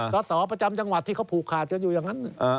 สอสอประจำจังหวัดที่เขาผูกขาดกันอยู่อย่างนั้น